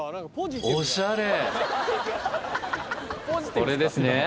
これですね？